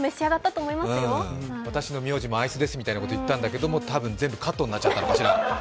私の名字もアイスですみたいなこと言ったんだけどカットになっちゃったのかしら。